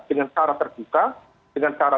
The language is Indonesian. dengan cara terbuka dengan cara